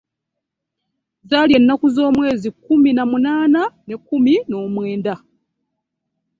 Zaali ennaku z'omwezi kkumi na munaana n'ekkumi n'omwenda.